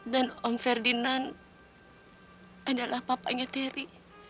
dan om ferdinand adalah papanya terry